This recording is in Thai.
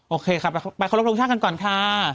โอเคค่ะมาไปฯพิธรพงษาดซ์กันก่อนค่ะ